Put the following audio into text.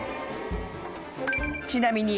［ちなみに］